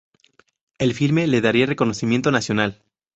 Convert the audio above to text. El filme le daría reconocimiento nacional.